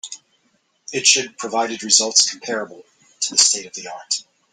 It should provided results comparable to the state of the art.